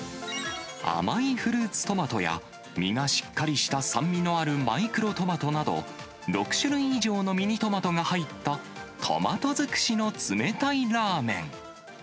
甘いフルーツトマトや、実がしっかりした酸味のあるマイクロトマトなど、６種類以上のミニトマトが入ったトマト尽くしの冷たいラーメン。